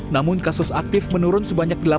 namun kasus aktif menurun sebagian dari satu